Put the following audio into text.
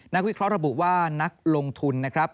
วิเคราะห์ระบุว่านักลงทุนนะครับ